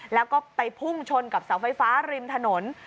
แล้วก็ไปพุ่งชนกับเสาไฟฟ้าริมถนน